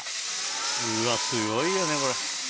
うわすごいよねこれ。